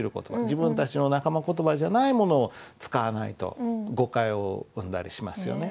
自分たちの仲間言葉じゃないものを使わないと誤解を生んだりしますよね。